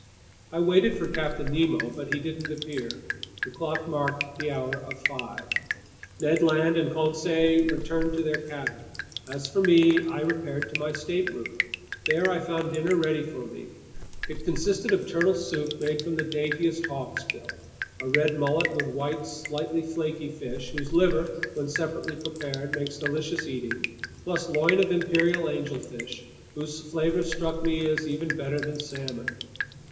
I waited for Captain Nemo. But he didn't appear. The clock marked the hour of five. Ned Land and Conseil returned to their cabin. As for me, I repaired to my stateroom. There I found dinner ready for me. It consisted of turtle soup made from the daintiest hawksbill, a red mullet with white, slightly flaky flesh, whose liver, when separately prepared, makes delicious eating, plus loin of imperial angelfish, whose flavor struck me as even better than salmon.